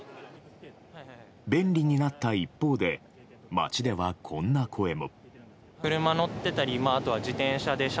便利になった一方で街では、こんな声も。